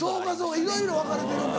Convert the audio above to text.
いろいろ分かれてるんだ。